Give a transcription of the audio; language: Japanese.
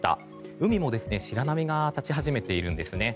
海も白波が立ち始めているんですね。